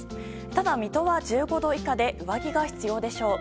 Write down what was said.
ただ、水戸は１５度以下で上着が必要でしょう。